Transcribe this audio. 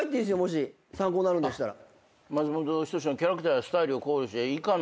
もし参考になるんでしたら。